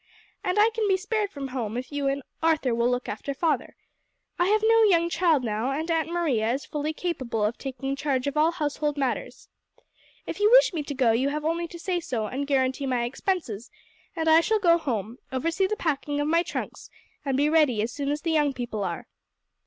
And I can be spared from home if you and Arthur will look after father; I have no young child now, and Aunt Maria is fully capable of taking charge of all household matters. If you wish me to go you have only to say so and guarantee my expenses, and I shall go home, oversee the packing of my trunks, and be ready as soon as the young people are."